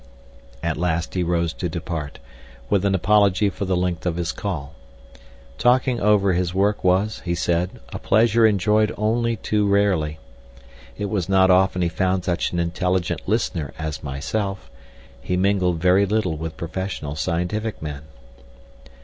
At last he rose to depart, with an apology for the length of his call. Talking over his work was, he said, a pleasure enjoyed only too rarely. It was not often he found such an intelligent listener as myself, he mingled very little with professional scientific men.